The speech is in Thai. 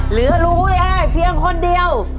เหลือลุงอุ๊ยอ้ายเพียงคนเดียว